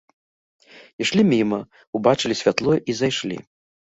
Ішлі міма, убачылі святло і зайшлі.